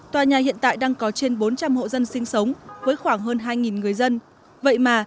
tòa nhà hiện tại đang có trên bốn trăm linh hộ dân sinh sống với khoảng hơn hai người dân vậy mà